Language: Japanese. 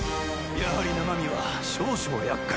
やはり生身は少々厄介。